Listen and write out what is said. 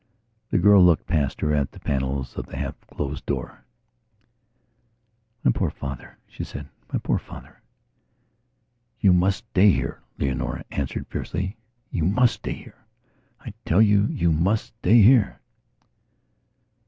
The girl looked past her at the panels of the half closed door. "My poor father," she said, "my poor father." "You must stay here," Leonora answered fiercely. "You must stay here. I tell you you must stay here."